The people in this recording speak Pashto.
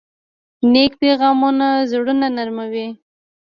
نیک پیغامونه زړونه نرموي.